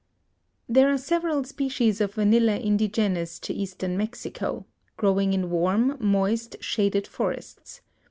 There are several species of vanilla indigenous to Eastern Mexico, growing in warm, moist, shaded forests.